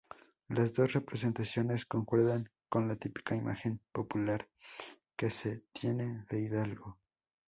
Las dos representaciones concuerdan con la típica imagen popular que se tiene de Hidalgo.